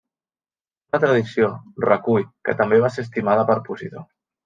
Una tradició recull que també va ser estimada per Posidó.